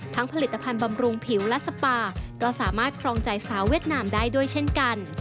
ผลิตภัณฑ์บำรุงผิวและสปาก็สามารถครองใจสาวเวียดนามได้ด้วยเช่นกัน